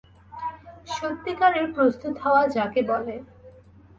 সত্যিকারের প্রস্তুত হওয়া যাকে বলে!